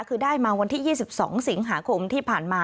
คือได้มาวันที่๒๒สิงหาคมที่ผ่านมา